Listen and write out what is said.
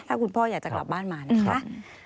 ถ้าคุณพ่ออยากจะกลับบ้านมานะคะ